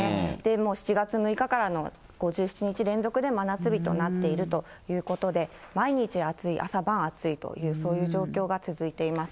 もう７月６日からの５７日連続で真夏日となっているということで、毎日暑い、朝晩暑いと、そういう状況が続いています。